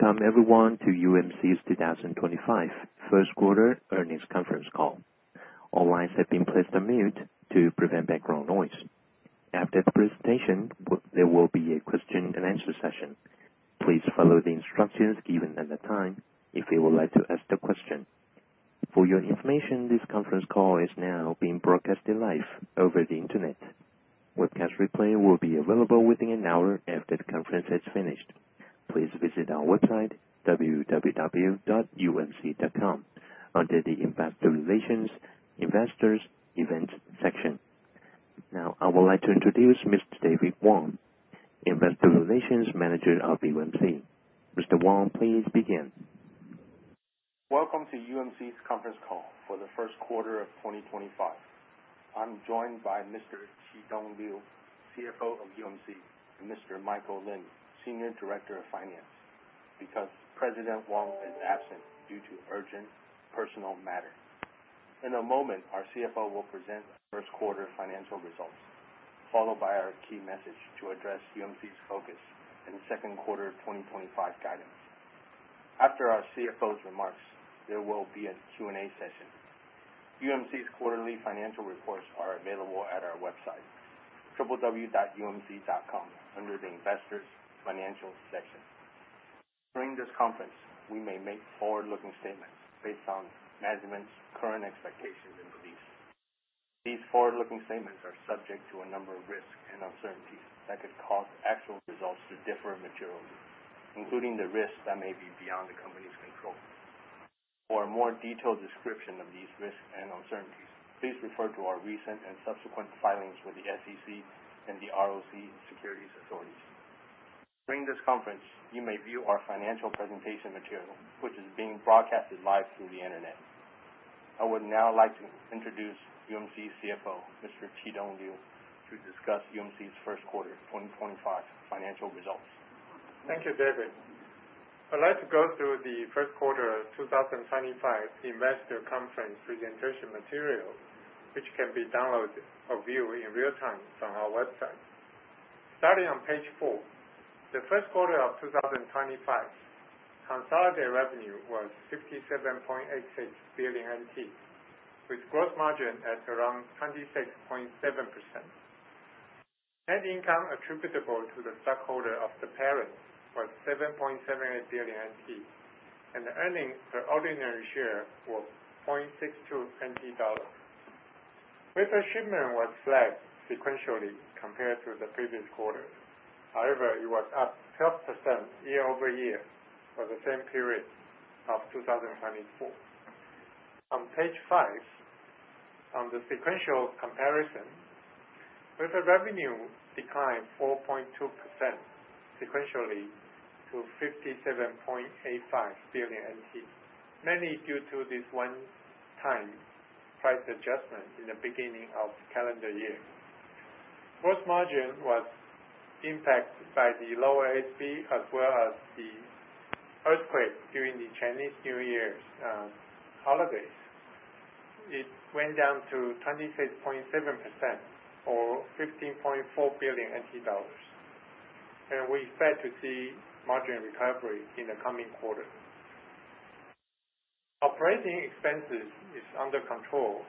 Welcome everyone to UMC's 2025 First Quarter Earnings Conference call. All lines have been placed on mute to prevent background noise. After the presentation, there will be a question and answer session. Please follow the instructions given at the time if you would like to ask the question. For your information, this conference call is now being broadcast live over the Internet webcast. Replay will be available within an hour after the conference has finished. Please visit our website www.umc.com under the Investor Relations Investors Events section. Now I would like to introduce Mr. David Wong, Investor Relations Manager of UMC. Mr. Wong, please begin. Welcome to UMC's conference call for the first quarter of 2025. I'm joined by Mr. Chitung Liu, CFO of UMC; and Mr. Michael Lin, Senior Director of Finance because President Wang is absent due to urgent personal matter. In a moment, our CFO will present first quarter financial results followed by our key message to address UMC's focus in second quarter 2025 guidance. After our CFO's remarks, there will be a Q&A session. UMC's quarterly financial reports are available at our website www.umc.com under the Investors Financial section. During this conference, we may make forward looking statements based on management's current expectations and beliefs. These forward looking statements are subject to a number of risks and uncertainties that could cause actual results to differ materially, including the risks that may be beyond the company control. For a more detailed description of these risks and uncertainties, please refer to our recent and subsequent filings with the SEC and the ROC securities authorities. During this conference, you may view our financial presentation material which is being broadcasted live through the Internet. I would now like to introduce UMC's CFO, Mr. Chitung Liu to discuss UMC's first quarter 2025 financial results. Thank you, David. I'd like to go through the first quarter 2025 investor conference presentation material which can be downloaded or viewed in real time from our website. Starting on page four. The first quarter of 2025 consolidated revenue was 57.86 billion NT with gross margin at around 26.7%. Net income attributable to the stockholder of the parent was 7.78 billion NT and earning per ordinary share was 0.62 NT dollars. Wafer shipment was flat sequentially compared to the previous quarter. However, it was up 12% year-over-year for the same period of 2024. On page five on the sequential comparison with a revenue declined 4.2% sequentially to 57.85 billion NT mainly due to this one time price adjustment in the beginning of calendar year. Gross margin was impacted by the lower ASP as well as the earthquake during the Chinese New Year's holidays. It went down to 26.7% or 15.4 billion NT dollars and we expect to see margin recovery in the coming quarter. Operating expenses is under control,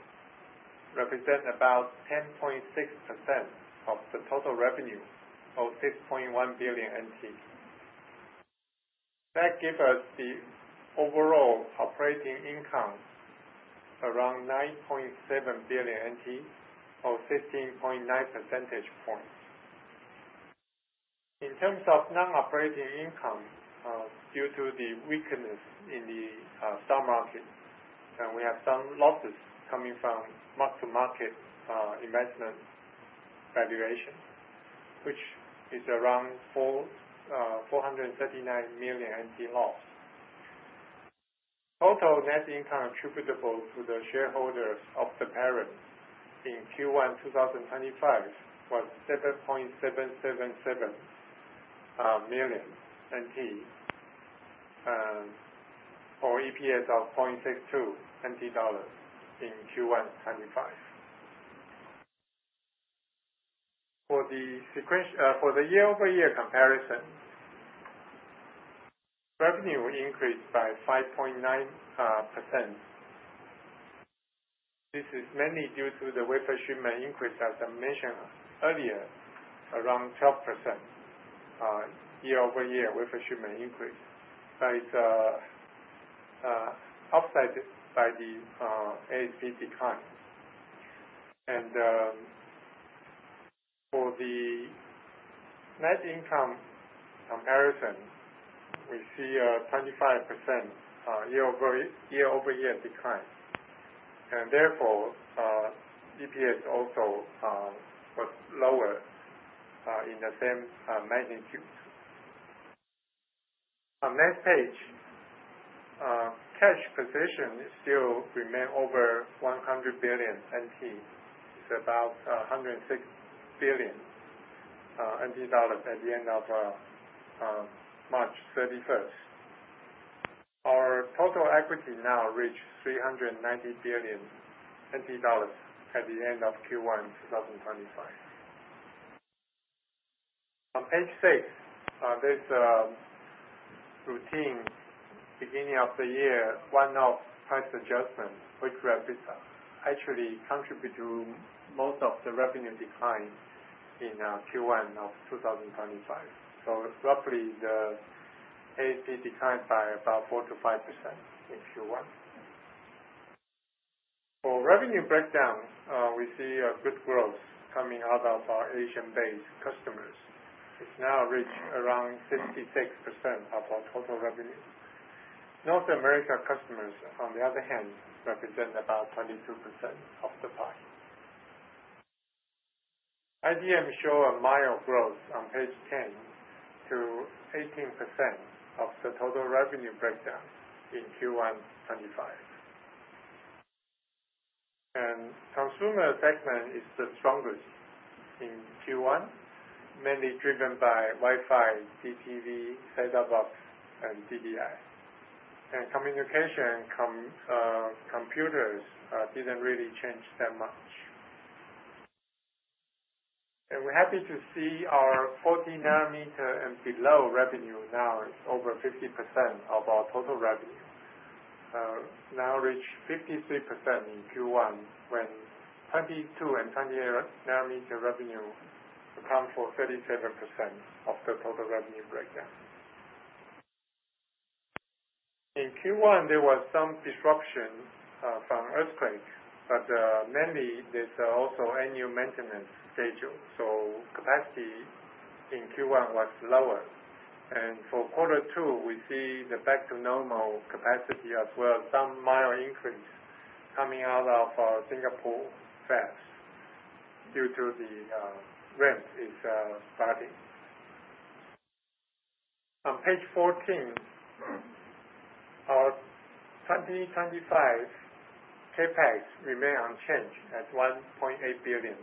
represent about 10.6% of the total revenue of 6.1 billion NT. That gives us the overall operating income around 9.7 billion NT or 16.9 percentage points. In terms of non operating income, due to the weakness in the stock market, we have some losses coming from mark to market investment valuation which is around 439 million NT loss. Total net income attributable to the shareholders of the parent in Q1 2025 was 7.777 million NT or EPS of 0.62 NT dollars. In Q1 2025. For the year-over-year comparison, revenue increased by 5.9%. This is mainly due to the wafer shipment increase as I mentioned earlier, around 12% year-over-year wafer shipment increase, but it's offset by the ASP decline and for the net income comparison we see 25% year-over-year decline and therefore EPS also was lower in the same magnitude. On next page, cash position still remain over NTD 100 billion. It's about NTD 106 billion at the end of March 31st. Our total equity now reaches NTD 390 billion at the end of Q1 2025 on page six. This routine beginning of the year one-off price adjustment actually contribute to most of the revenue decline in Q1 2025. Roughly, the ASP declined by about 4%-5% in Q1. For revenue breakdown, we see good growth coming out of our Asian-based customers. It now reaches around 56% of our total revenue. North America customers on the other hand represent about 22% of the pie. IBM show a mild growth on page 10 to 18% of the total revenue breakdown in Q1 2025 and consumer segment is the strongest in Q1 mainly driven by Wi-Fi, DTV, setup box and DDI and communication computers didn't really change that much and we're happy to see our 14 nm and below revenue now is over 50% of our total revenue now reach 53% in Q1 when 22 nm and 28 nm revenue account for 37% of the total revenue breakdown in Q1. There was some disruption from earthquake but mainly there's also annual maintenance schedule so capacity in Q1 was lower and for quarter two we see the back to normal capacity as well. Some mild increase coming out of Singapore fab due to the ramp is starting on page 14. Our 2025 CapEx remain unchanged at $1.8 billion.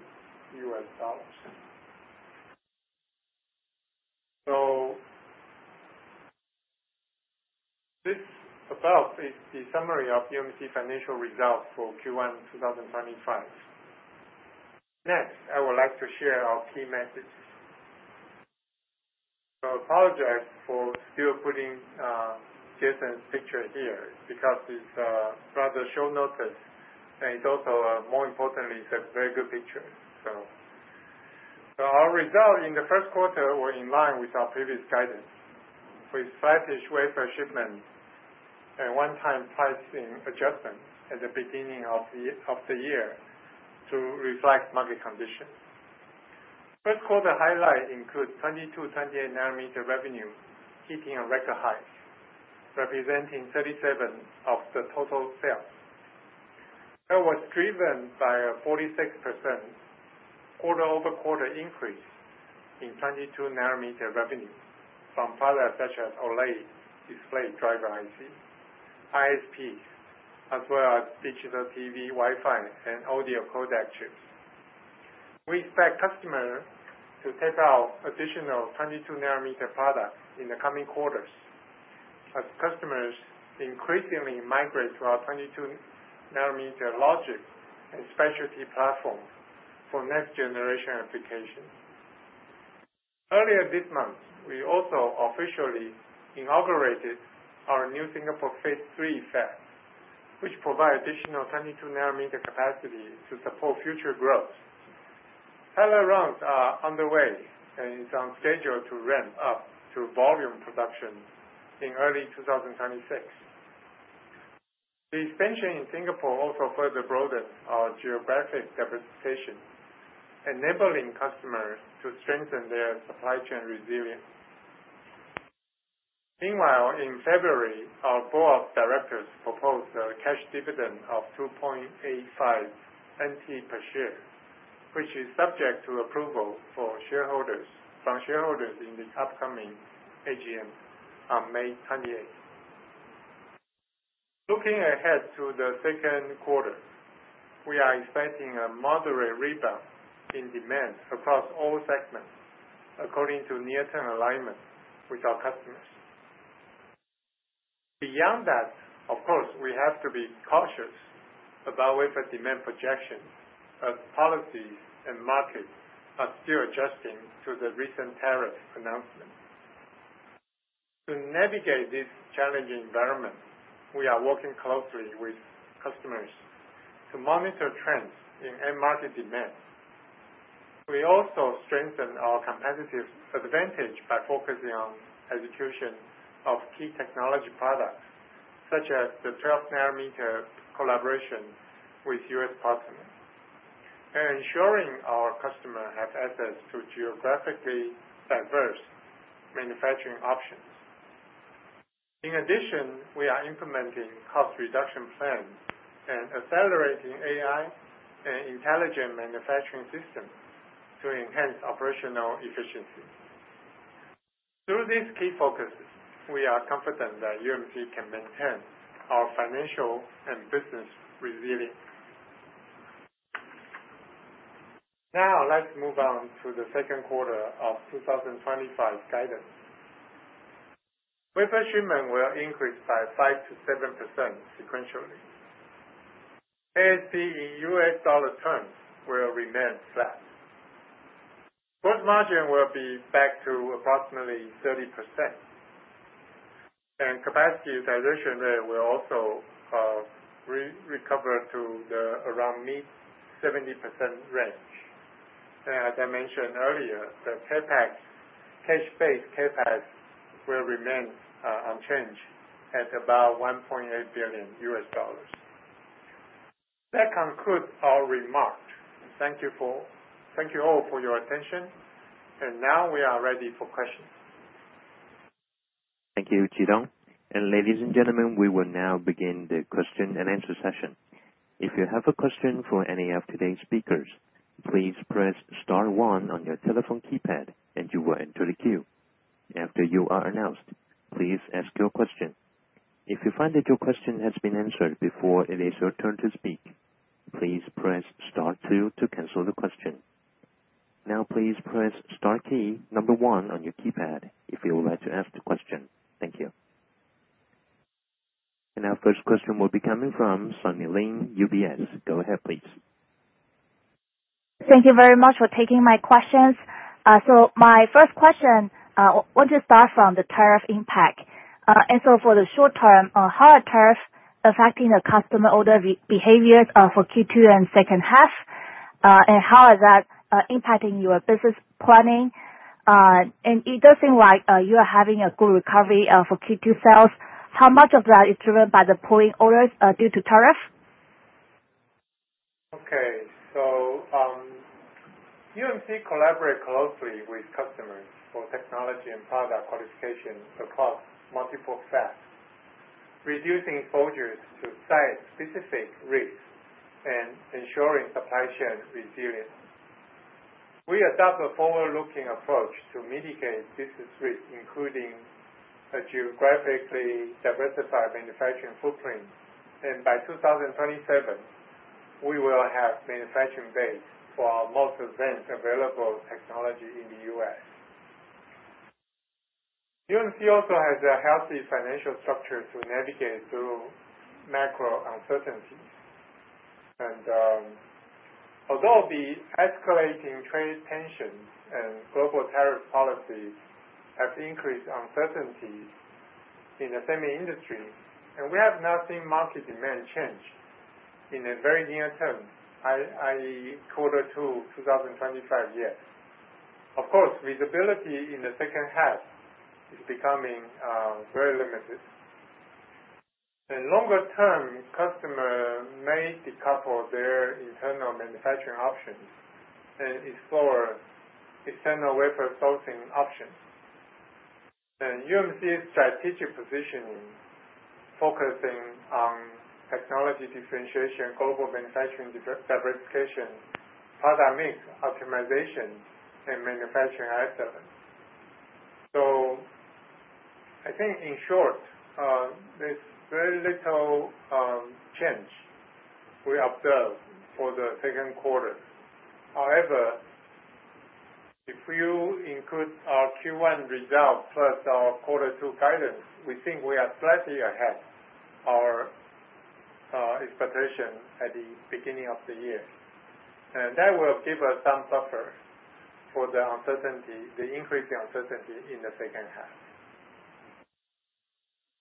This above is the summary of UMC financial results for Q1 2025. Next I would like to share our key messages. I apologize for still putting Jason's picture here because it's rather short notice and it also more importantly has very good pictures. Our result in the first quarter were in line with our previous guidance with slightest wafer shipment and one time pricing adjustment at the beginning of the year to reflect market conditions. First quarter highlight include 22 nm, 28 nm revenue hitting a record high representing 37% of the total sales. That was driven by a 46% quarter over quarter increase in 22 nm revenue from products such as OLED display driver IC, ISP, as well as digital TV, Wi-Fi and audio codec chips. We expect customers to take out additional 22 nm product in the coming quarters as customers increasingly migrate to our 22 nm logic and specialty platforms for next-generation applications. Earlier this month we also officially inaugurated our new Singapore phase III fab, which provides additional 22 nm capacity to support future growth. Pilot runs are underway and are on schedule to ramp up to volume production in early 2026. The expansion in Singapore also further broadens our geographic diversification, enabling customers to strengthen their supply chain resilience. Meanwhile, in February our Board of Directors proposed a cash dividend of 2.85 NT per share, which is subject to approval from shareholders in the upcoming AGM on May 28th. Looking ahead to the second quarter, we are expecting a moderate rebound in demand across all segments according to near-term alignment with our customers. Beyond that, of course, we have to be cautious about wafer demand projections as policies and markets are still adjusting to the recent tariff announcement. To navigate this challenging environment, we are working closely with customers to monitor trends in end market demand. We also strengthen our competitive advantage by focusing on execution of key technology products such as the 12 nm collaboration with U.S. partners and ensuring our customers have access to geographically diverse manufacturing options. In addition, we are implementing cost reduction plans and accelerating AI and intelligent manufacturing systems to enhance operational efficiency. Through these key focuses, we are confident that UMC can maintain our financial and business resilience. Now let's move on to the second quarter of 2025 guidance. Wafer shipment will increase by 5%-7% sequentially. ASP in U.S. dollar terms will remain flat. Gross margin will be back to approximately 30% and capacity utilization rate will also recover to around mid-70% range. As I mentioned earlier, the CapEx, cash-based CapEx, will remain unchanged at about $1.8 billion. That concludes our remarks. Thank you all for your attention and now we are ready for questions. Thank you, Chitung, and ladies and gentlemen, we will now begin the question and answer session. If you have a question for any of today's speakers, please press star one on your telephone keypad and you will enter the queue. After you are announced, please ask your question. If you find that your question has been answered before it is your turn to speak, please press star two to cancel the question. Now, please press star key number one on your keypad if you would like to ask the question. Thank you. Our first question will be coming from Sunny Lin, UBS. Go ahead, please. Thank you very much for taking my questions. My first question, I want to start from the tariff impact. For the short term, how are tariffs affecting the customer order behaviors for Q2 and second half? How is that impacting your business planning? It does seem like you are having a good recovery for Q2 sales. How much of that is driven by the pulling orders due to tariff? Okay, so UMC collaborate closely with customers for technology and product qualification across multiple fabs, reducing exposures to site specific risks and ensuring supply chain resilience. We adopt a forward looking approach to mitigate business risk including a geographically diversified manufacturing footprint. By 2027 we will have manufacturing base for our most advanced available technology in the U.S. UMC also has a healthy financial structure to navigate through macro uncertainties. Although the escalating trade tensions and global tariff policies have increased uncertainty in the semi-industry and we have nothing market demand change in a very near term, that is quarter two 2025 yet. Of course visibility in the second half is becoming very limited and longer term customers may decouple their internal manufacturing options and explore external wafer sourcing options, UMC's strategic positioning, focusing on technology differentiation, global manufacturing diversification, product mix optimization and manufacturing excellence. I think in short there's very little change we observe for the second quarter. However, if you include our Q1 result plus our quarter two guidance, we think we are slightly ahead our expectation at the beginning of the year and that will give us some buffer for the uncertainty, the increasing uncertainty in the second half.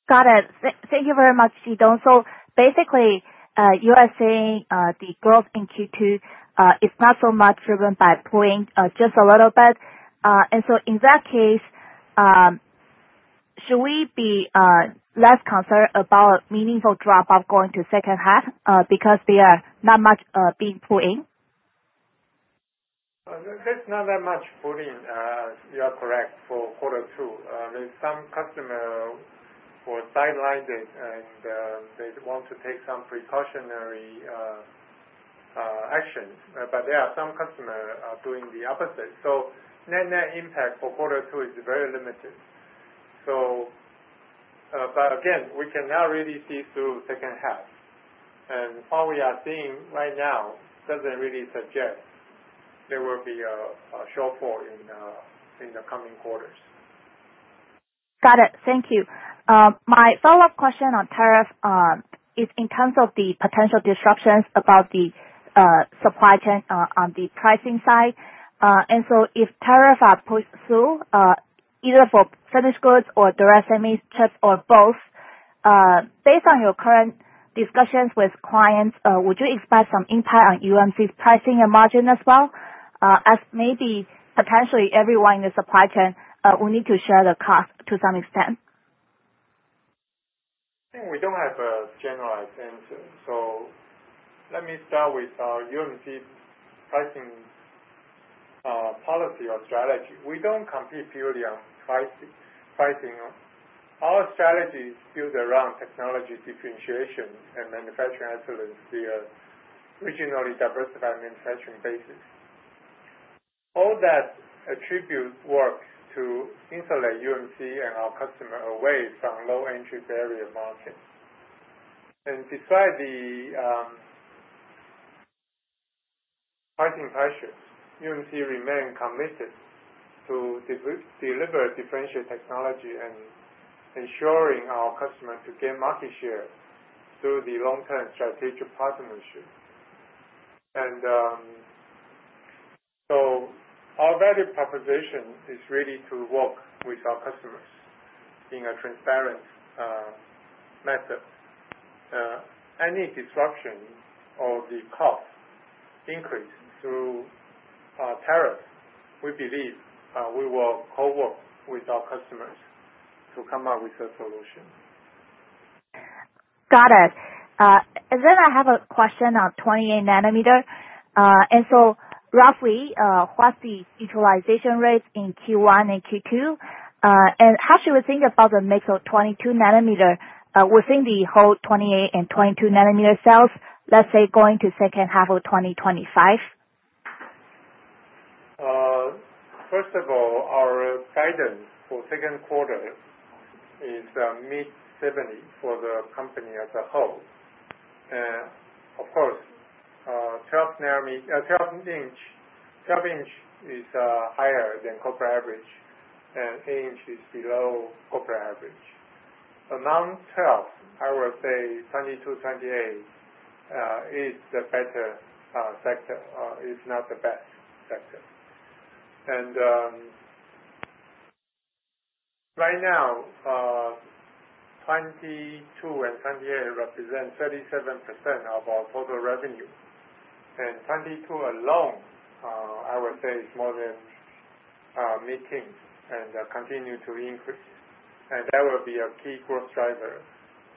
Got it. Thank you very much. You are saying the growth in Q2 is not so much driven by pooling just a little bit, and in that case, should we be less concerned about meaningful drop off going to second half because there is not much being pooled in? There's not that much pooling. You are correct for quarter two. Some customers were sidelined and they want to take some precautionary action. There are some customers doing the opposite. The net impact for quarter two is very limited. Again, we cannot really see through the second half. What we are seeing right now does not really suggest there will be a shortfall in the coming quarters. Got it. Thank you. My follow up question on tariff is in terms of the potential disruptions about the supply chain on the pricing side. If tariff are pushed through either for finished goods or direct semi-chips or both, based on your current discussions with clients, would you expect some impact on UMC's pricing and margin as well as maybe potentially everyone in the supply chain will need to share the cost to some extent? I think we don't have a generalized answer. Let me start with our UMC pricing policy or strategy. We don't compete purely on pricing. Our strategy is built around technology differentiation and manufacturing excellence via regionally diversified manufacturing basis. All that attribute works to insulate UMC and our customer away from low entry barrier models. Beside the pricing pressures, UMC remain committed to deliver differentiated technology and ensuring our customers to gain market share through the long term strategic partnership. Our value proposition is ready to walk with our customers in a transparent method. Any disruption or the cost increase through tariffs, we believe we will co work with our customers to come up with a solution. Got it. I have a question on 28 nm. Roughly, what is the utilization rate in Q1 and Q2, and how should we think about the mix of 22 nm within the whole 28 nm and 22 nm cells, let's say going to the second half of 2025? First of all, our guidance for second quarter is mid-70% for the company as a whole. Of course, 12 in is higher than corporate average and 8 in is below corporate average. Among 12 nm, I would say 22 nm, 28 nm is the better sector. It's not the best sector. Right now, 22 nm and 28 nm represent 37% of our total revenue. 22 nm alone, I would say, is more than meeting and continues to increase. That will be a key growth driver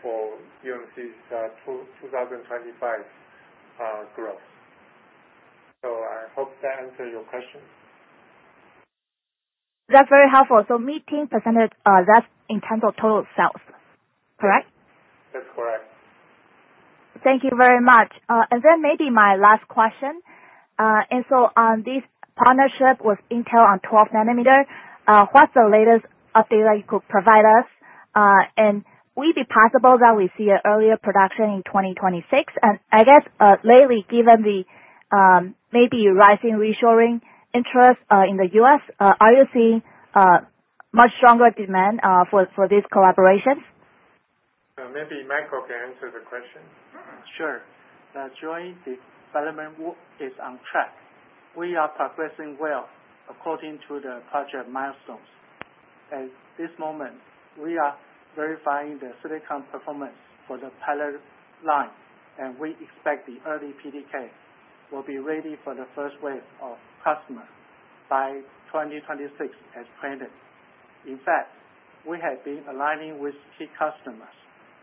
for UMC's 2025 growth. I hope that answers your question. That's very helpful. Meeting percentage, that's in terms of total sales, correct? That's correct. Thank you very much. Maybe my last question. On this partnership with Intel on 12 nm, what's the latest update that you could provide us and will it be possible that we see an earlier production in 2026? I guess lately, given the maybe rising reshoring interest in the U.S., are you seeing much stronger demand for these collaborations? Maybe Michael can answer the question. Sure. The joint development is on track. We are progressing well according to the project milestones. At this moment we are verifying the silicon performance for the pilot line and we expect the early PDK will be ready for the first wave of customers by 2026 as printed. In fact, we have been aligning with key customers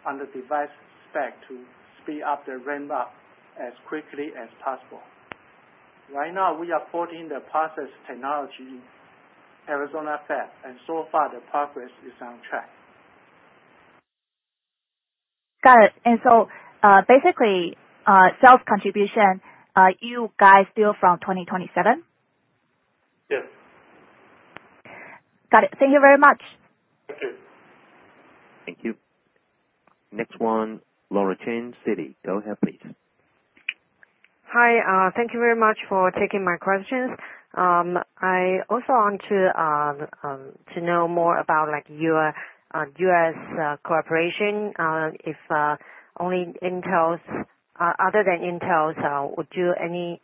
on the device spec to speed up the ramp up as quickly as possible. Right now we are porting the process technology to the Arizona fab and so far the progress is on track. Got it. Basically, sales contribution, are you guys still from 2027? Yes. Got it. Thank you very much. Thank you. Thank you. Next one. Laura Chen, Citi. Go ahead please. Hi, thank you very much for taking my questions. I also want to know more about U.S. cooperation. If only Intel, other than Intel, would you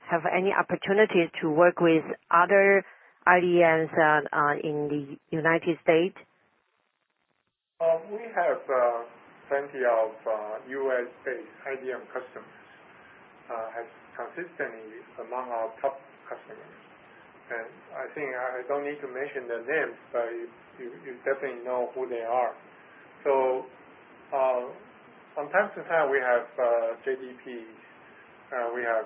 have any opportunities to work with other IDMs in the United States? We have plenty of U.S.-based IDM customers consistently among our top customers. I think I do not need to mention their names, but you definitely know who they are. From time to time we have JDP, we have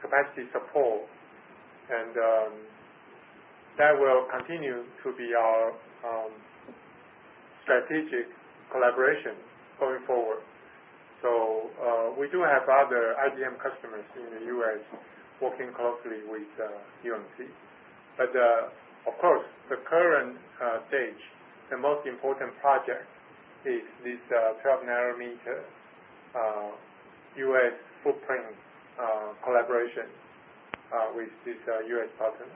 capacity support, and that will continue to be our strategic collaboration going forward. We do have other IDM customers in the U.S. working closely with UMC. Of course, at the current stage, the most important project is this 12 nm U.S. footprint collaboration with these U.S. partners.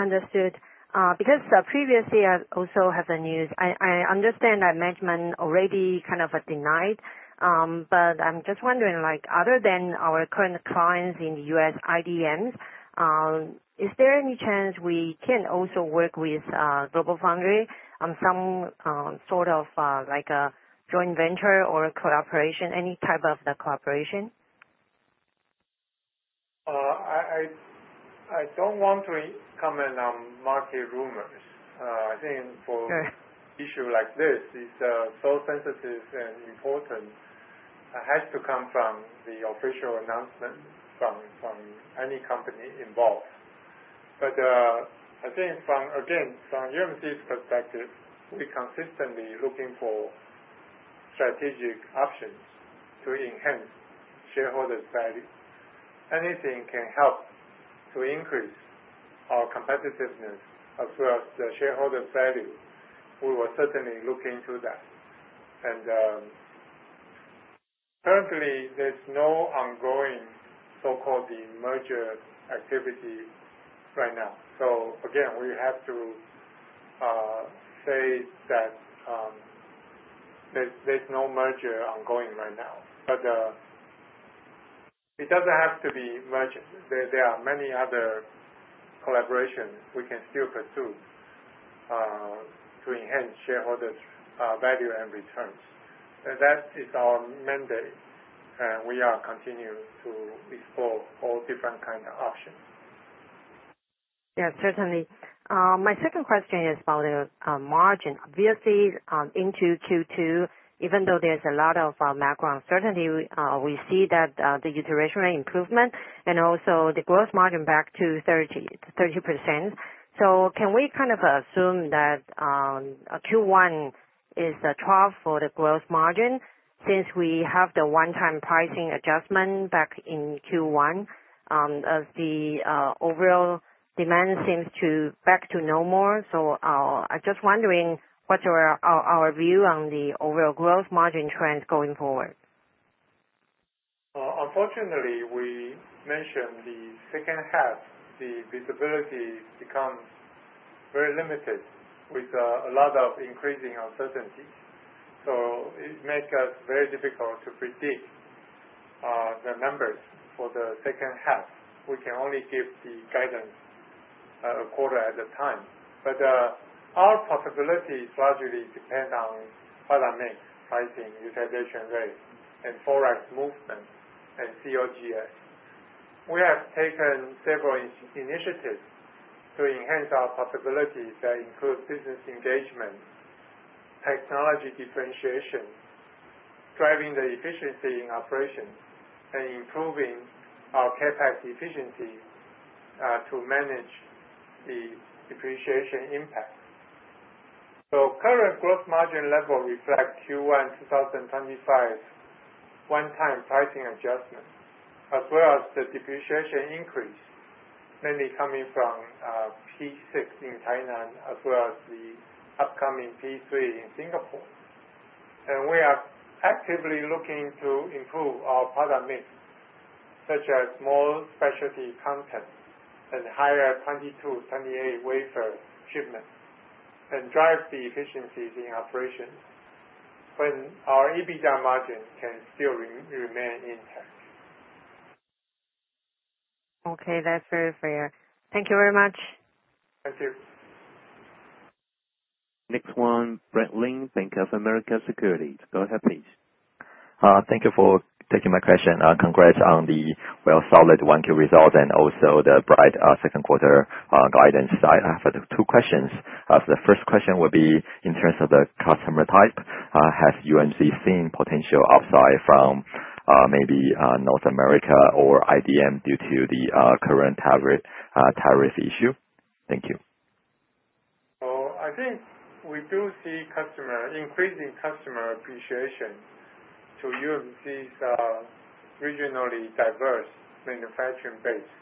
Understood. Because previously I also have the news. I understand that management already kind of denied but I'm just wondering like other than our current clients in the U.S. IDMs, is there any chance we can also work with GlobalFoundries on some sort of like a joint venture or cooperation? Any type of cooperation. I don't want to comment on market rumors. I think for issue like this is so sensitive and important, it has to come from the official announcement from any company involved. I think again from UMC's perspective, we consistently are looking for strategic options to enhance shareholders value. Anything can help to increase our competitiveness as well as the shareholder value. We will certainly look into that. Currently, there is no ongoing so-called merger activity right now. We have to say that there is no merger ongoing right now. It does not have to be a merger. There are many other collaborations we can still pursue to enhance shareholders value and returns. That is our mandate and we are continuing to explore all different kind of options. Yes, certainly my second question is about the margin into Q2. Even though there's a lot of macro uncertainty, we see that the utilization rate improvement and also the gross margin back to 30%. Can we kind of assume that Q1 is 12% for the gross margin since we have the one-time pricing adjustment back in Q1 as the overall demand seems to back to normal? I just wondering what's our view on the overall gross margin trend going forward? Unfortunately we mentioned the second half, the visibility becomes very limited with a lot of increasing uncertainty. It makes us very difficult to predict the numbers for the second half. We can only give the guidance a quarter at a time but our possibilities largely depend on what I mean. Pricing, utilization rate and forex movement and COGS. We have taken several initiatives to enhance our possibilities that include business engagement, technology differentiation, driving the efficiency in operations and improving our CapEx efficiency to manage the depreciation impact. Current gross margin level reflect Q1 2025 one-time pricing adjustment as well as the depreciation increase mainly coming from P6 in Tainan as well as the upcoming P3 in Singapore. We are actively looking to improve our product mix such as more specialty content and higher 22 nm, 28 nm wafer shipments and drive the efficiencies in operations when our EBITDA margin can still remain intact. Okay, that's very fair. Thank you very much. Thank you. Next one. Brad Lin, Bank of America Securities. Go ahead please. Thank you for taking my question. Congrats on the well solid 1Q result and also the bright second quarter guidance. I have two questions. The first question will be in terms of the customer type, has UMC seen potential upside from maybe North America or IDM due to the current issue? Thank you. I think we do see increasing customer appreciation to use these regionally diverse manufacturing base.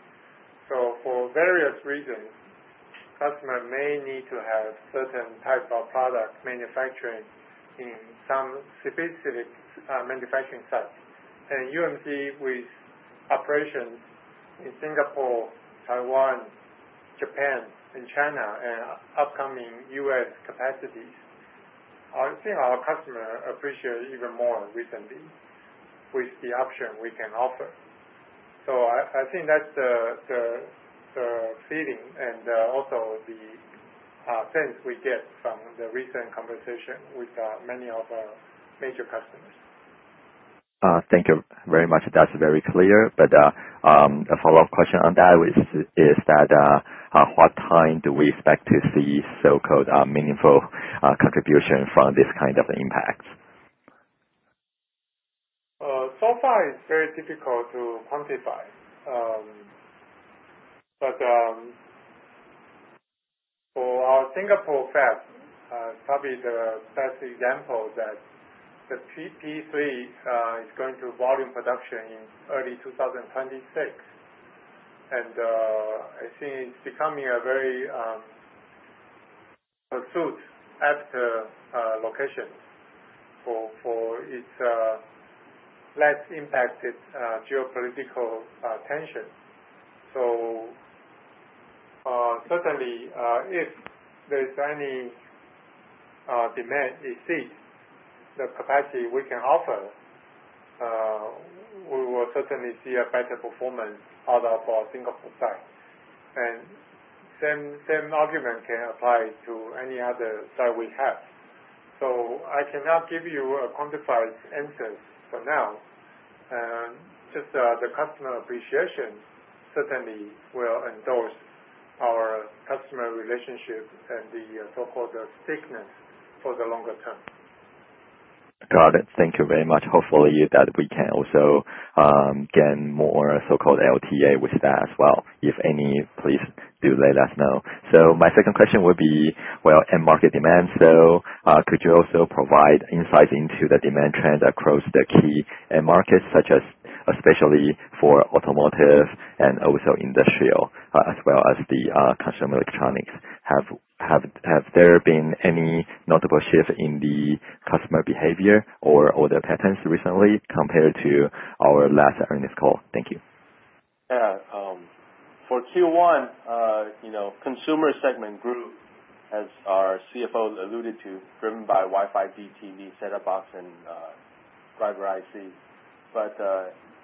For various reasons customer may need to have certain type of product manufacturing in some specific manufacturing sites and UMC with operations in Singapore, Taiwan, Japan and China and upcoming U.S. capacities I think our customer appreciate even more recently with the option we can offer. I think that's the feeling and also the sense we get from the recent conversation with many of our major customers. Thank you very much, that's very clear. A follow up question on that is that what time do we expect to see so called meaningful contribution from. This kind of impact? It is very difficult to quantify, but for our Singapore fab, probably is the best example that the P3 is going to volume production in early 2026, and I think it is becoming a very pursuit after location for its less impacted geopolitical tension. Certainly, if there is any demand exceeding the capacity we can offer, we will certainly see a better performance out of our Singapore site, and the same argument can apply to any other site we have. I cannot give you a quantifier for now. Just the customer appreciation certainly will endorse our customer relationship and the so-called stickiness for the longer term. Got it. Thank you very much. Hopefully that we can also gain more so-called LTA with that as well. If any, please do let us know. My second question would be end market demand. Could you also provide insights into the demand trend across the key end markets, especially for automotive and also industrial as well as consumer electronics? Have there been any notable shift in the customer behavior or the patterns recently compared to our last earnings call? Thank you. For Q1, consumer segment grew as our CFO alluded to, driven by Wi-Fi, DTV, setup box, and driver IC.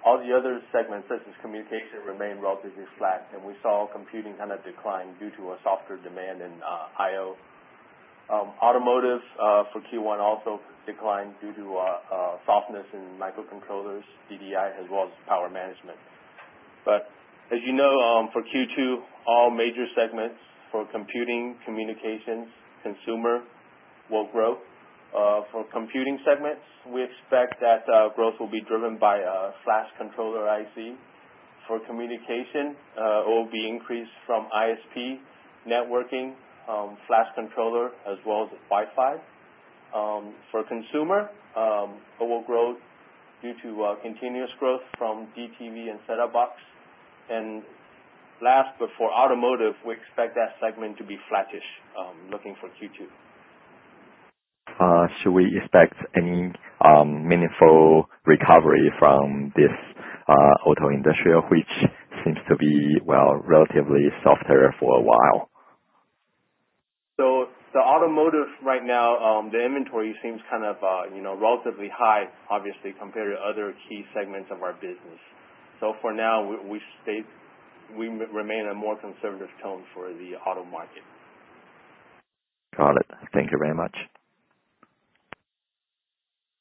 All the other segments such as communication remain relatively flat and we saw computing kind of decline due to a softer demand in IO. Automotive for Q1 also declined due to softness in microcontrollers, DDI, as well as power management. As you know, for Q2, all major segments for computing, communications, consumer will grow. For computing segments, we expect that growth will be driven by flash controller IC. For communication, it will be increased from ISP, networking, flash controller, as well as Wi-Fi. For consumer, it will grow due to continuous growth from DTV and setup box. Last, for automotive, we expect that segment to be flattish. Looking for Q2. Should we expect any meaningful recovery from this auto industrial which seems to be, well, relatively softer for a while? The automotive right now, the inventory seems kind of relatively high, obviously compared to other key segments of our business. For now, we remain a more conservative tone for the auto market. Got it. Thank you very much.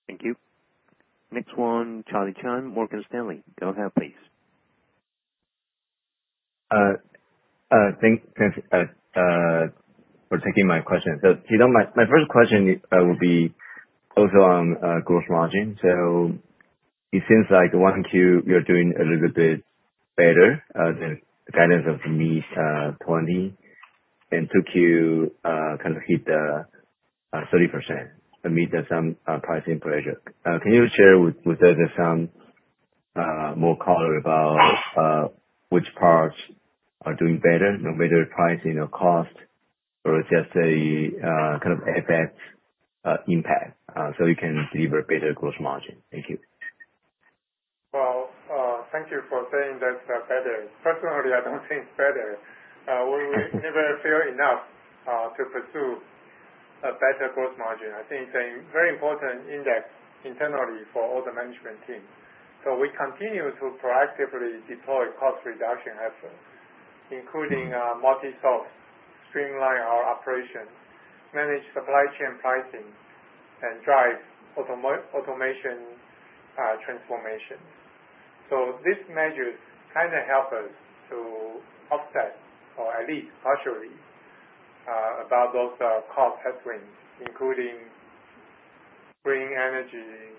Thank you. Next one, Charlie Chan, Morgan Stanley. Go ahead, please. Thanks. For taking my question. My first question will be also on gross margin. It seems like 1Q you are doing a little bit better. The guidance of mid-20% and 2Q kind of hit 30%. Meet some pricing pressure. Can you share with us some more color about which parts are doing better no matter pricing or cost or just a kind of FX impact so you can deliver better gross margin? Thank you For saying that better. Personally I don't think it's better. We never feel enough to pursue a better gross margin. I think it's a very important index internally for all the management team. We continue to proactively deploy cost reduction efforts including multi source, streamline our operations, manage supply chain pricing and drive automation transformation. These measures kind of help us to offset or at least partially about those cost headwinds, including green energy,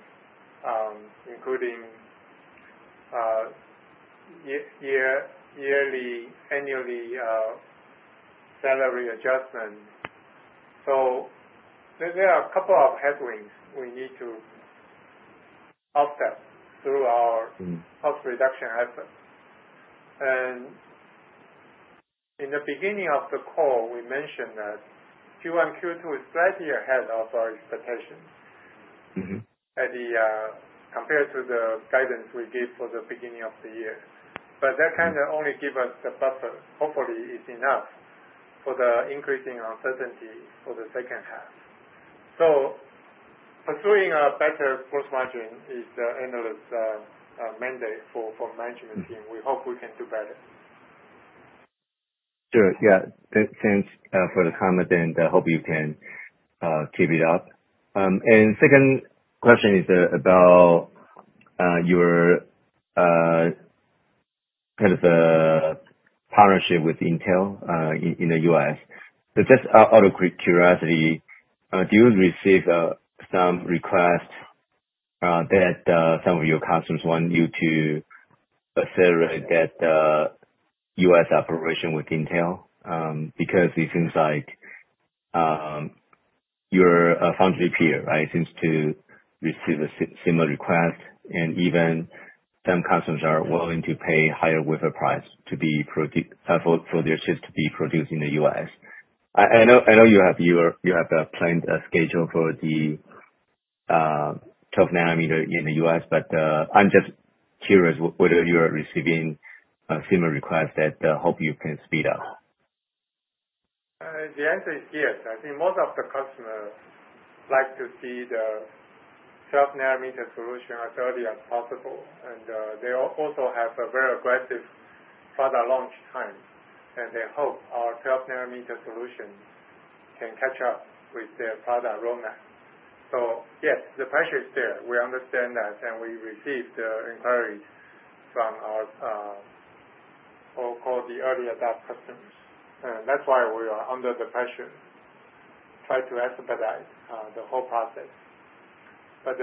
including yearly annually salary adjustment. There are a couple of headwinds we need to offset through our cost reduction efforts. In the beginning of the call we mentioned that Q1, Q2 is slightly ahead of our expectations compared to the guidance we gave for the beginning of the year. That kind of only gives us the buffer. Hopefully it's enough for the increasing uncertainty for the second half. Pursuing a better gross margin is the endless mandate for management team. We hope we can do better. Sure, yeah, thanks for the comment and I hope you can keep it up. Second question is about your kind of partnership with Intel in the U.S. Just out of curiosity, do you receive some request that some of your customers want you to accelerate that U.S. operation with Intel? Because it seems like your foundry peer, right, seems to receive a similar request and even some customers are willing to pay higher wafer price for their chips to be produced in the U.S. I know you have planned a schedule for the 12 nm in the U.S. but I'm just curious whether you are receiving similar requests that hope you can speed up. The answer is yes. I think most of the customers like to see the 12 nm solution as early as possible and they also have a very aggressive product launch time and they hope our 12 nm solution can catch up with their product roadmap. Yes, the pressure is there. We understand and we received inquiries from our so-called early adopt customers. That's why we are under the pressure to try to expedite the whole process. It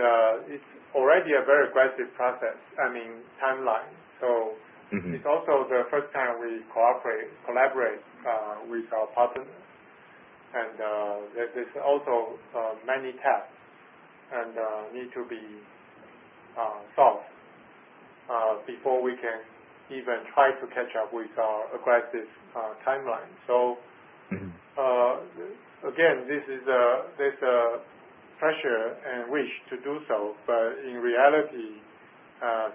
is already a very aggressive process, I mean timeline. It is also the first time we cooperate, collaborate with our partners and there are also many tasks that need to be solved before we can even try to catch up with our aggressive timeline. There is a pressure and wish to do so, but in reality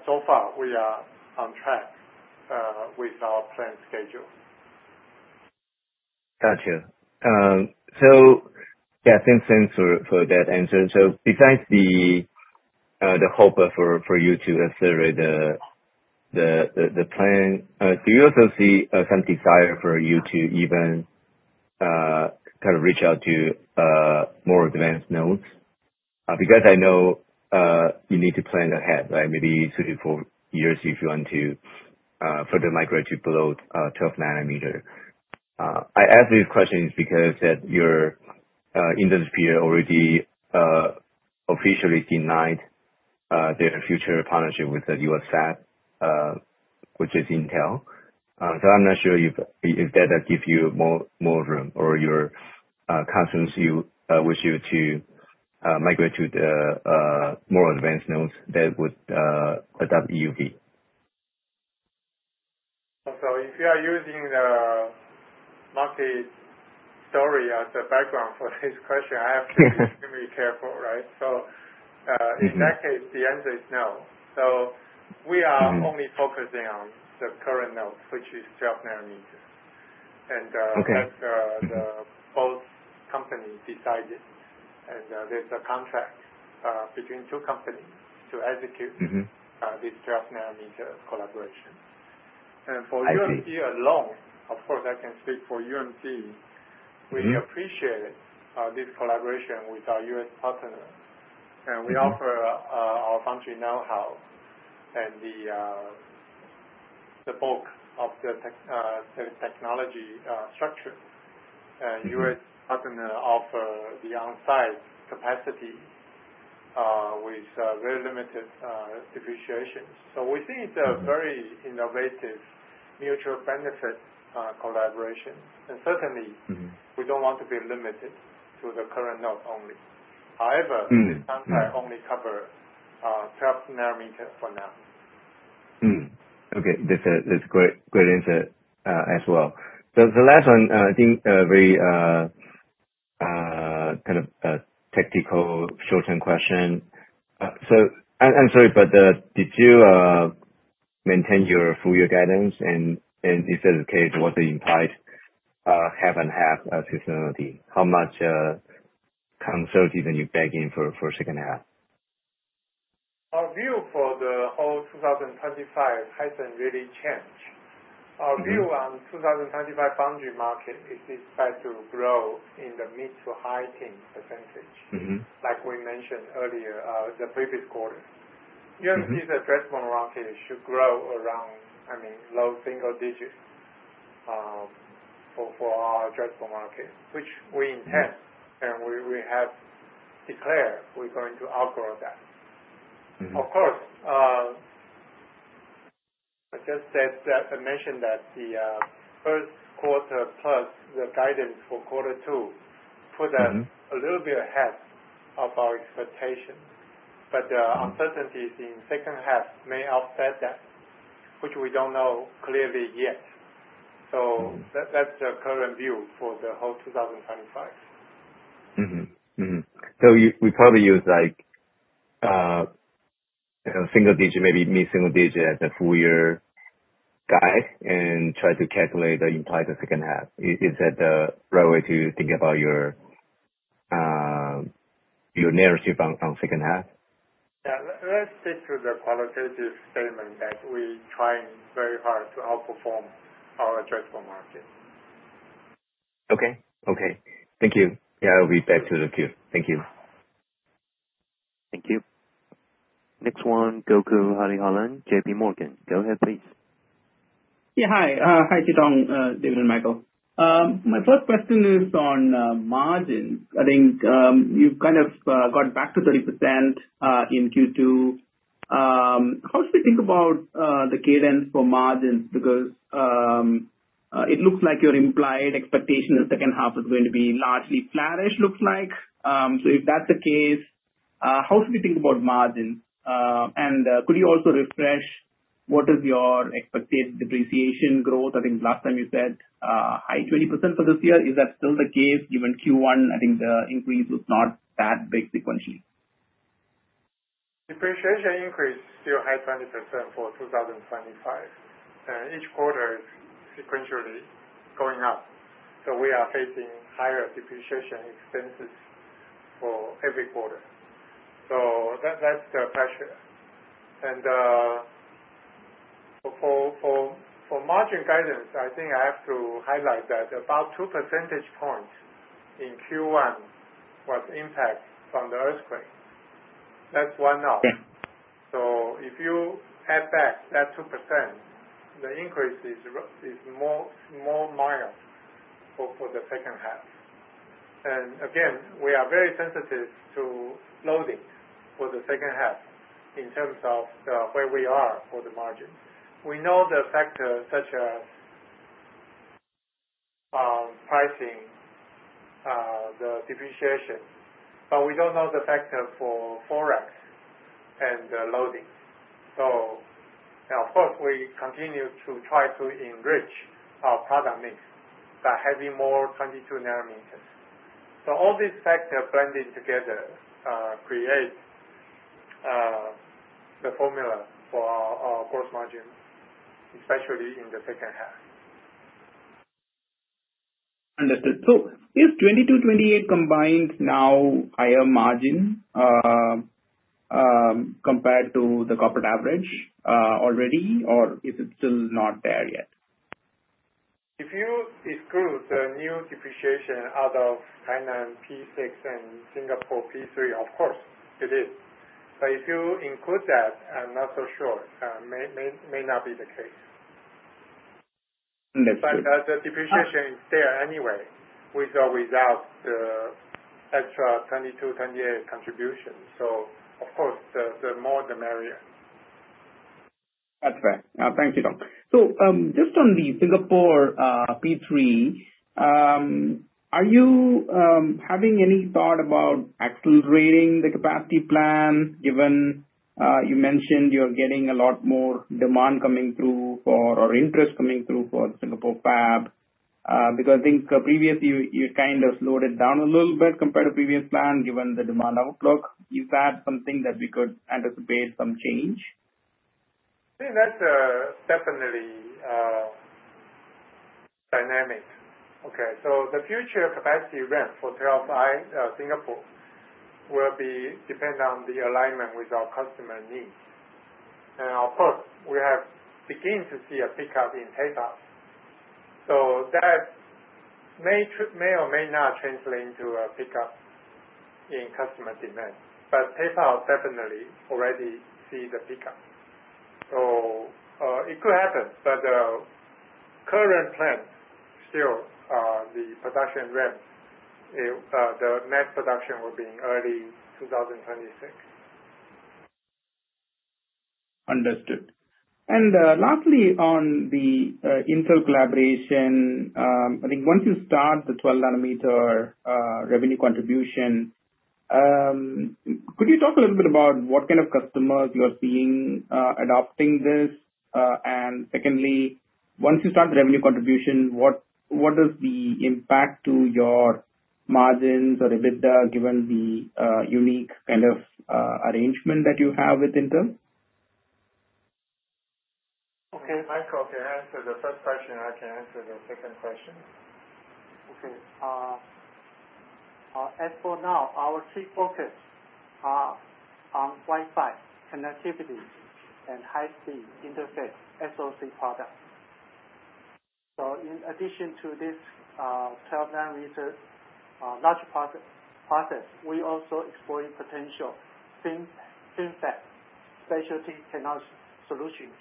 so far we are on track with our planned schedule. Gotcha. Yeah, thanks for that answer. Besides the hope for you to accelerate the plan, do you also see some desire for you to even kind of reach out to more advanced nodes? I know you need to plan ahead like maybe two to for years if you want to further migrate to below 12 nm. I ask these questions because your industry already officially denied their future partnership with the U.S. fab, which is Intel. I am not sure if that gives you more room or your concerns. You wish you to migrate to the more advanced nodes that would adopt EUV. If you are using the market story as a background for this question, I have to be extremely careful. Right? In that case the answer is no. We are only focusing on the current node which is 12 nm and both companies decided and there is a contract between two companies to execute this 12 nm collaboration and for UMC alone. Of course I can speak for UMC. We appreciate this collaboration with our U.S. partners and we offer our foundry know-how and the bulk of the technology structure. U.S. partner offers the on-site capacity with very limited depreciation. We see it is a very innovative mutual benefit collaboration and certainly we do not want to be limited to the current node only. However, only cover 12 nm for now. Okay, that's great as well. The last one, I think, very kind of tactical short term question. I'm sorry, but did you maintain your full year guidance? Is that the case? Was the implied half and half seasonality? How much conservative are you begging for second half? Our view for the whole 2025 hasn't really changed our view on 2025. Foundry market is expected to grow in the mid to high-teens percentage. Like we mentioned earlier the previous quarter, UMC's addressable market should grow around, I mean low single digits for our addressable market which we intend and we have declared we're going to outgrow that. Of course I just said that. I mentioned that the first quarter plus the guidance for quarter two put us a little bit ahead of our expectations. Uncertainties in second half may offset that which we don't know clearly yet. That's the current view for the whole 2025. We probably use like single digit, maybe mid single digit at the full year guide and try to calculate the implies of second half. Is that the right way to think about your narrative on second half? Yeah, let's stick to the qualitative statement that we trying very hard to outperform our addressable market. Okay. Okay, thank you. Yeah, I'll be back to the queue. Thank you. Thank you. Next one. Gokul Hariharan, JPMorgan, go ahead please. Yeah. Hi. Hi. Chitung, David and Michael, my first question is on margin. I think you've kind of got back to 30% in Q2. How should we think about the cadence for margins. Because it looks like your implied expectation in second half is going to be largely flattish. Looks like. If that's the case, how should we think about margins? Could you also refresh what is your expected depreciation growth? I think last time you said high 20% for this year. Is that still the case? Given Q1, I think the increase was not that big sequentially. Depreciation increase still high 20% for 2025. Each quarter is sequentially going up, so we are facing higher depreciation expenses for every quarter. That is the pressure. For margin guidance, I think I have to highlight that about 2 percentage points in Q1 was impact from the earthquake. That is why. If you add back that 2%, the increase is more mild for the second half. Again, we are very sensitive to loading for the second half in terms of where we are for the margin. We know the factors such as pricing, the depreciation, but we do not know the factor for forex and loading. Of course, we continue to try to enrich our product mix by having more 22 nm. All these factors blended together create the formula for our gross margin, especially in the second half. Understood. Is 22 nm, 28 nm combined now higher margin compared to the corporate average already or is it still not there yet? If you exclude the new depreciation out of Tainan P6 and Singapore P3, of course it is. If you include that, I'm not so sure. Maybe may not be the case. The depreciation is there anyway with or without the extra 22 nm, 28 nm contribution. Of course the more the merrier. That's fair. Thank you Chitung. Just on the Singapore P3, are you having any thought about accelerating the capacity plan? Given you mentioned you're getting a lot more demand coming through for or interest coming through for Singapore fab. I think previously you kind of slowed it down a little bit compared to previous plan. Given the demand outlook, is that something that we could anticipate some change? That's definitely dynamic. The future capacity ramp for Singapore will depend on the alignment with our customer needs. Of course, we have begun to see a pickup in PayPal. That may or may not translate into a pickup in customer demand. PayPal definitely already sees the pickup, so it could happen. The current plan is still the production ramp, the mass production will be in early 2026. Understood. Lastly, on the Intel collaboration, I think once you start the 12 nm revenue contribution, could you talk a little bit about what kind of customers you're seeing adopting this. Secondly, once you start the revenue contribution, what does the impact to your margins or EBITDA given the unique kind of arrangement that you have with Intel. Okay, Michael, can you answer the first question? I can answer the second question. As for now our chief focus on Wi-Fi connectivity and high speed interface SoC products. In addition to this 12 nm large process, we also exploring potential fintech specialty technology solutions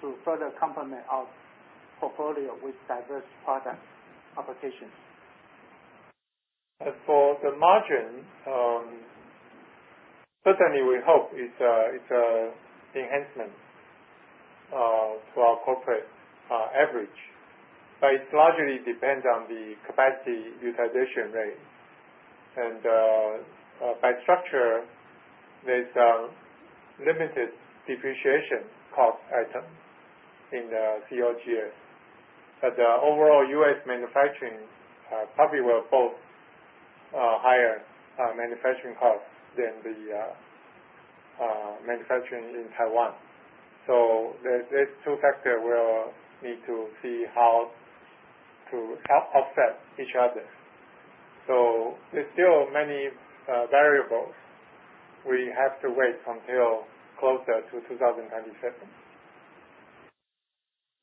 to further complement our portfolio with diverse product applications. As for the margin, certainly we hope it's an enhancement to our corporate average. It largely depends on the capacity utilization rate and by structure. There's limited depreciation cost item in the cognitive. The overall U.S. manufacturing probably will boast higher manufacturing costs than the manufacturing in Taiwan. These two factors will need to see how to offset each other. There are still many variables. We have to wait until closer to 2027.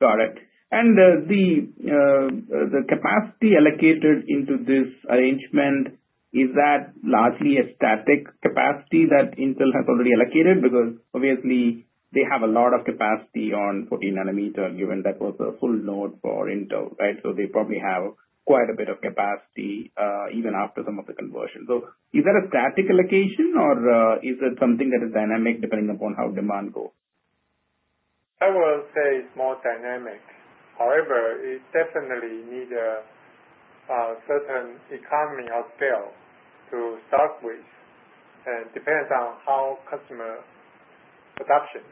Got it. The capacity allocated into this arrangement, is that largely a static capacity that Intel has already allocated? Because obviously they have a lot of capacity on 14 nm given that was a full node for Intel. Right. They probably have quite a bit of capacity even after some of the conversion. Is that a static allocation or is it something that is dynamic? Depending upon how demand goes, I will. Say it's more dynamic. However, it definitely needs a certain economy of scale to start with. Depends on how customer adoption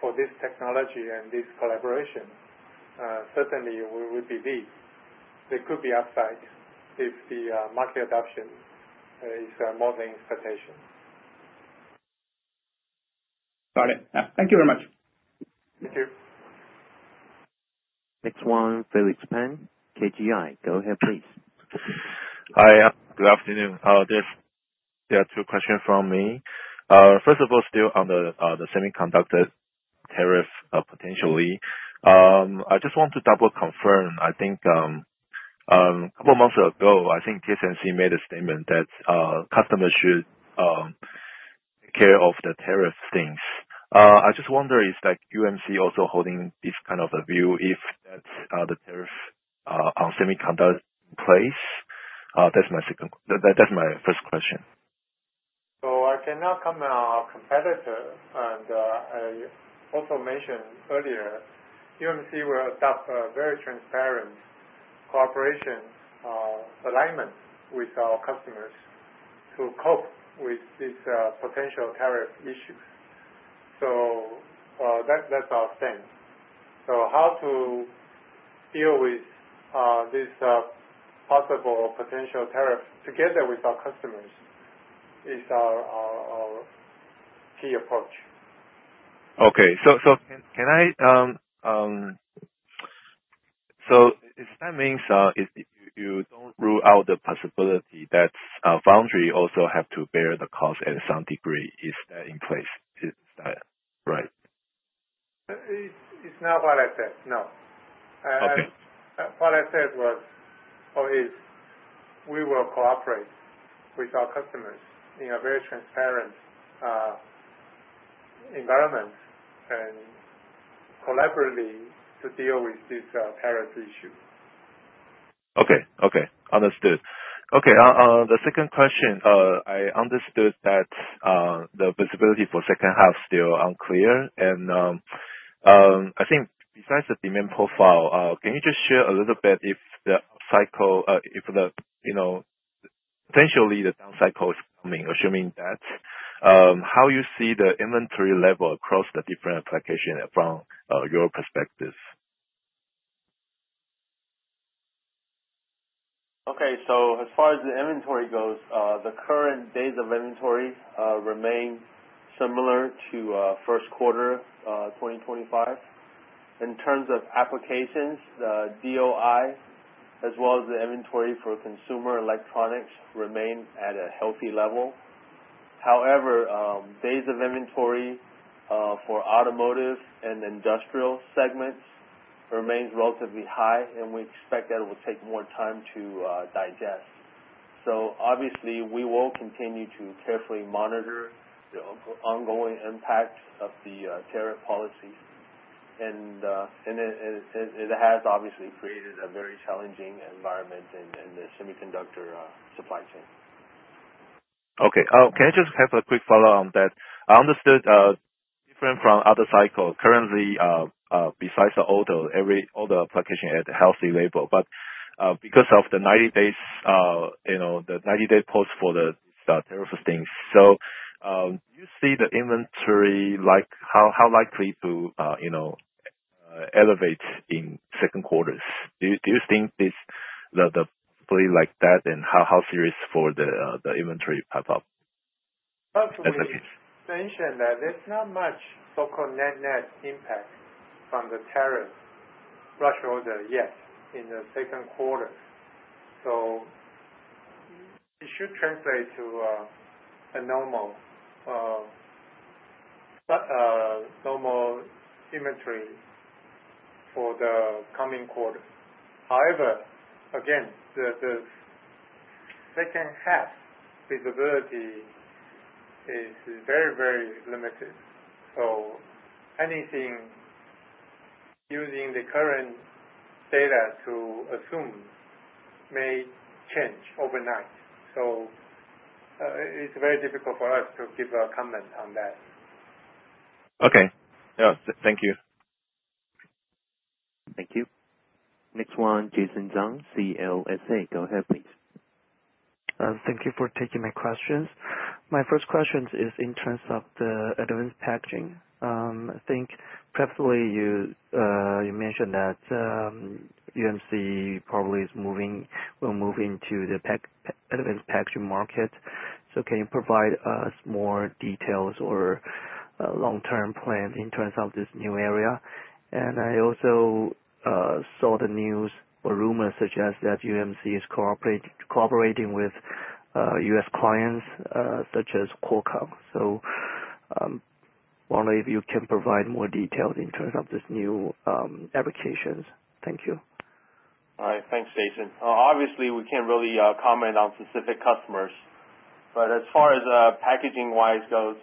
for this technology and this collaboration. Certainly, we would believe there could be upside if the market adoption is modeling expectation. Got it. Thank you very much. Thank you. Next one. Felix Pan, KGI, go ahead please. Hi, good afternoon. There are two questions from me. First of all, still on the semiconductor tariff, potentially I just want to double confirm. I think a couple months ago I think TSMC made a statement that customers should take care of the tariff things. I just wonder, is like UMC also holding this kind of a view? If that's the tariff on semiconductor place? That's my first question, So I cannot. Comment on our competitor. I also mentioned earlier, UMC will adopt a very transparent cooperation alignment with our customers to cope with these potential tariff issues. That is our stance. How to deal with this possible potential tariff together with our customers is our key approach. Okay, so can I. So that means you don't rule out the possibility that foundry also have to bear the cost at some degree. Is that in place? Is that right? It's not what I said. No. What I said was we will cooperate with our customers in a very transparent environment and collaboratively to deal with this parity issue. Okay, understood. Okay, the second question, I understood that the visibility for the second half is still unclear and I think besides the demand profile, can you just share a little bit if the cycle, if the, you know, potentially the down cycle is coming. Assuming that, how do you see the inventory level across the different applications from your perspective. Okay, as far as the inventory goes, the current days of inventory remain similar to first quarter 2025 in terms of applications. The DOI as well as the inventory for consumer electronics remain at a healthy level. However, days of inventory for automotive and industrial segments remains relatively high and we expect that it will take more time to digest. Obviously we will continue to carefully monitor the ongoing impact of the tariff policies and it has obviously created a very challenging environment in the semiconductor supply chain. Okay, can I just have a quick follow up on that? I understood different from other cycle currently besides the auto, every auto application at a healthy label. Because of the 90 days, the 90-day pause for the tariff things, do you see the inventory, like how likely to, you know, elevate in second quarters? Do you think this the play like that and how serious for the inventory pop up? First we mentioned that there's not much so called net net impact from the tariff rush order yet in the second quarter. It should translate to a normal symmetry for the coming quarter. However, again the second half visibility is very, very limited. Anything using the current data to assume may change overnight. It is very difficult for us to give a comment on that. Okay, thank you. Thank you. Next one. Jason Zhang, CLSA. Go ahead please. Thank you for taking my questions. My first question is in terms of the advanced packaging. I think preferably you mentioned that UMC probably is moving, will move into the advanced packaging market. Can you provide us more details or long term plan in terms of this new area? I also saw the news or rumors suggest that UMC is cooperating with U.S. clients such as Qualcomm. I wonder if you can provide more details in terms of this new applications. Thank you. All right, thanks Jason. Obviously we can't really comment on specific customers but as far as packaging wise goes,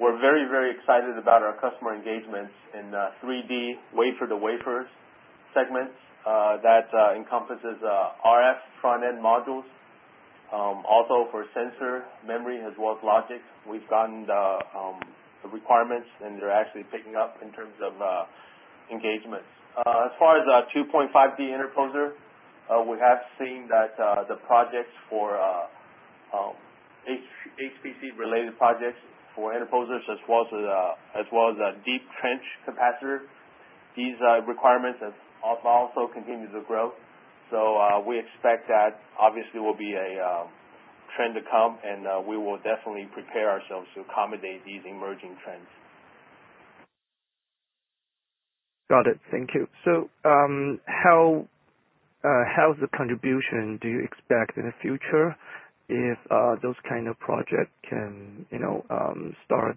we're very, very excited about our customer engagements in 3D wafer-to-wafer segments. That encompasses RF front-end modules. Also for sensor memory as well as logic. We've gotten the requirements and they're actually picking up in terms of engagements. As far as 2.5D interposer, we have seen that the projects for HPC-related projects for interposers as well as a deep trench capacitor, these requirements are also continuing to grow. We expect that obviously will be a trend to come and we will definitely prepare ourselves to accommodate these emerging trends. Got it. Thank you. How the contribution do you expect in the future if those kind of project can start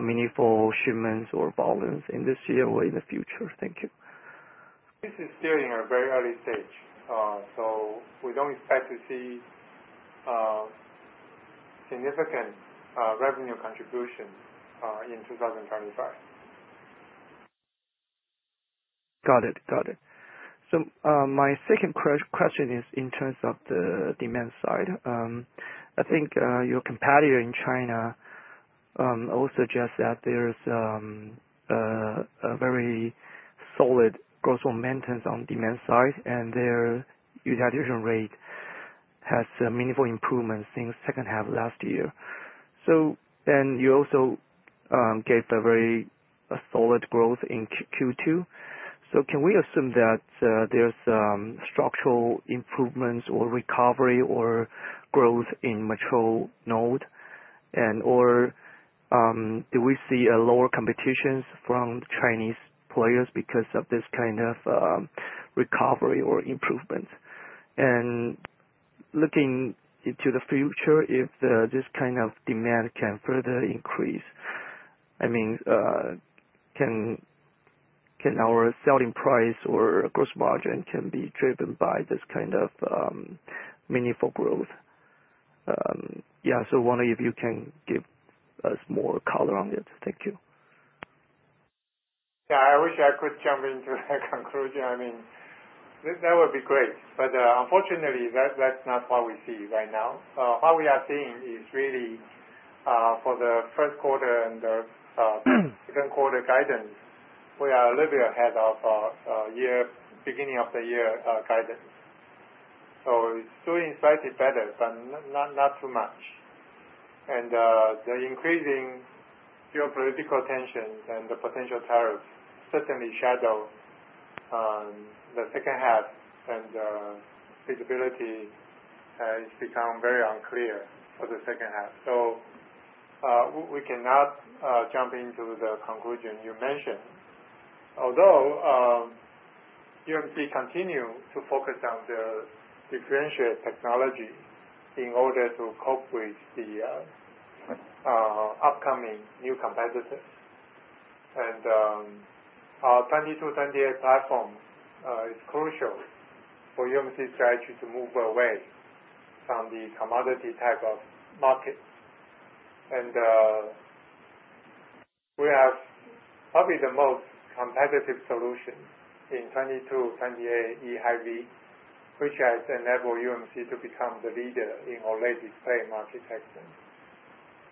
meaningful shipments or volumes in this year or in the future? Thank you. This is still in a very early stage so we don't expect to see significant revenue contribution in 2025. Got it, got it. My second question is in terms of the demand side, I think your competitor in China all suggests that there is a very solid growth maintenance on the demand side and their utilization rate has meaningful improvements since the second half last year. You also gave a very solid growth in Q2. Can we assume that there are structural improvements or recovery or growth in mature node and or do we see a lower competition from Chinese players because of this kind of recovery or improvement? Looking into the future, if this kind of demand can further increase, I mean can our selling price or gross margin be driven by this kind of meaningful growth? Yes. Wondering if you can give us more color on it. Thank you. Yeah, I wish I could jump into a conclusion, I mean that would be great but unfortunately that's not what we see right now. What we are seeing is really for the first quarter and the second quarter guidance, we are a little bit ahead of beginning of the year guidance, so better but not too much. The increasing geopolitical tensions and the potential tariffs certainly shadow the second half. Feasibility has become very unclear for the second half. We cannot jump to the conclusion you mentioned. Although UMC continues to focus on the differentiated technology in order to cope with the upcoming new competitors. Our 22 nm, 28 nm platform is crucial for UMC strategy to move away from the commercial type of market. We have probably the most competitive solution in 22 nm, 28 nm eHV, which has enabled UMC to become the leader in OLED display architecture.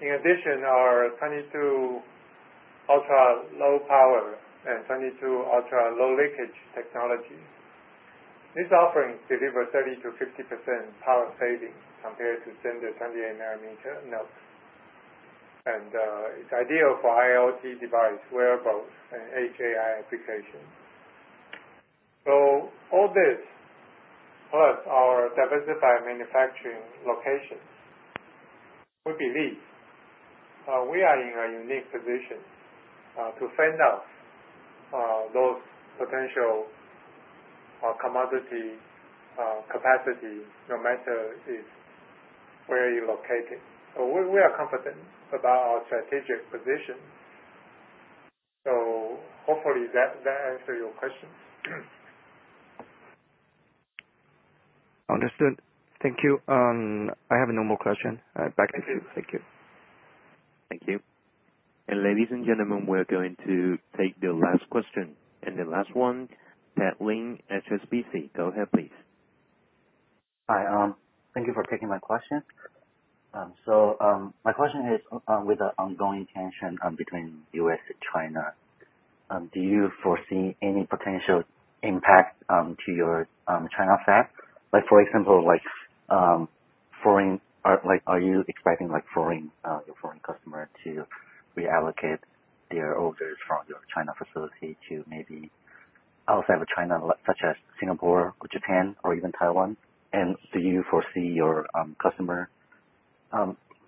In addition, our 22 ultra-low power and 22 ultra-low leakage technology, this offering delivers 30%-50% power savings compared to standard 28 nm nodes and it's ideal for IoT device wearable and AI applications. All this plus our diversified manufacturing locations, we believe we are in a unique position to send out those potential commodity capacity no matter if where you located. We are confident about our strategic position. Hopefully that answers your question. Understood, thank you. I have no more question. Back to Sue. Thank you. Thank you. Ladies and gentlemen, we're going to take the last question and the last one. Frank Lee, HSBC, go ahead please. Hi, thank you for taking my question. My question is, with the ongoing tension between U.S. and China, do you foresee any potential impact to your China fab, like for example, like foreign. Are you expecting like foreign customer to reallocate their orders from your China facility to maybe outside of China such as Singapore or Japan or even Taiwan? Do you foresee your customer,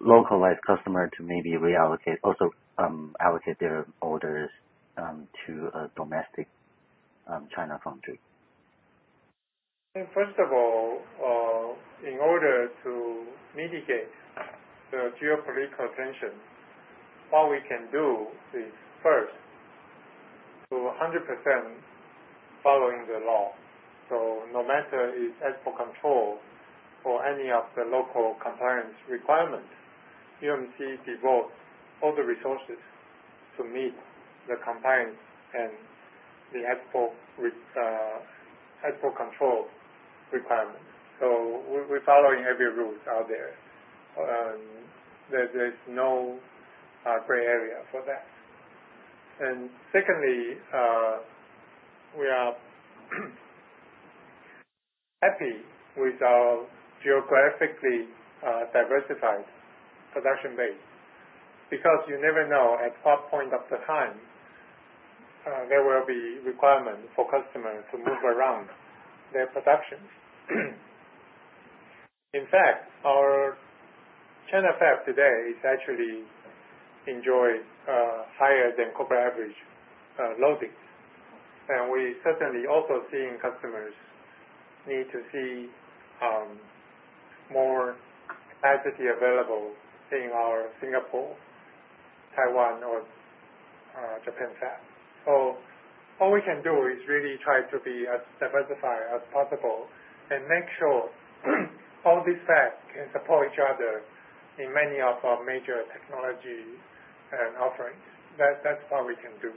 localized customer, to maybe reallocate also allocate their orders to a domestic China foundry too. First of all, in order to mitigate the geopolitical tension, what we can do is first to 100% following the law. No matter if export control or any of the local compliance requirements, UMC devotes all the resources to meet the compliance and the export control requirements. We are following every rule out there. There is no gray area for that. Secondly, we are happy with our geographically diversified production base because you never know at what point of the time there will be requirement for customers to move around their production. In fact, our China fab today is actually enjoying higher than corporate average loading. We certainly also see customers need to see more capacity available in our Singapore, Taiwan or Japan. All we can do is really try to be as diversified as possible and make sure all these fabs can support each other in many of our major technologies and offerings. That's what we can do.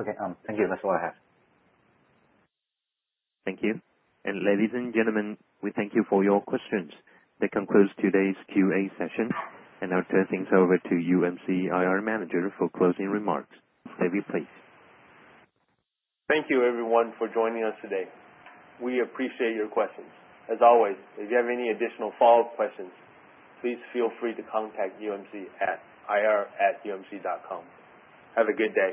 Okay, thank you. That's all I have. Thank you. Ladies and gentlemen, we thank you for your questions. That concludes today's Q&A session. I'll turn things over to UMC IR Manager for closing remarks. David, please. Thank you everyone for joining us today. We appreciate your questions as always. If you have any additional follow up questions, please feel free to contact umc@irmc.com. Have a good day.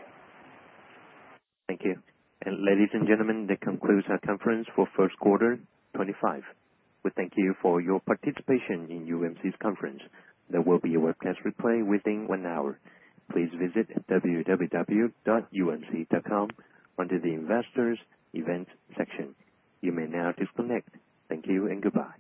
Thank you. Ladies and gentlemen, that concludes our conference for first quarter 2025. We thank you for your participation in UMC's conference. There will be a webcast replay within one hour. Please visit www.umc.com under the Investors Events section. You may now disconnect. Thank you and goodbye.